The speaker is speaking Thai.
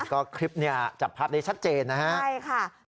ก็คลิปนี้จับภาพได้ชัดเจนนะฮะใช่ค่ะ